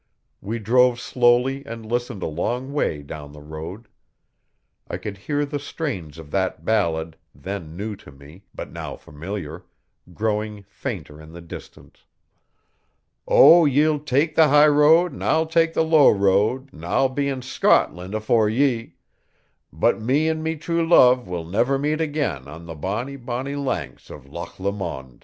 We drove slowly and listened a long way down the road. I could hear the strains of that ballad, then new to me, but now familiar, growing fainter in the distance: O ye'll tak' the high road an' I'll tak' the low road An' I'll be in Scotland afore ye; But me an' me true love will never meet again On the bonnie, bonnie banks o' Loch Lomond.